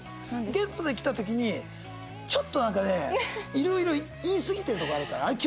ゲストで来た時にちょっとなんかねいろいろ言いすぎてるとこあるからあれ気を付けよう。